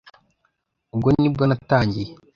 ubwo ni bwo natangiye